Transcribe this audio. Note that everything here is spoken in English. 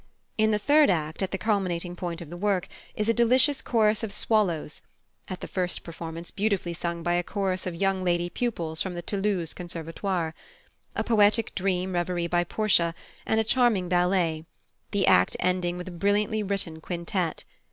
In the third act, at the culminating point of the work, is a delicious chorus of swallows (at the first performance beautifully sung by a chorus of young lady pupils from the Toulouse Conservatoire); a poetic dream reverie by Portia; and a charming ballet; the act ending with a brilliantly written quintet.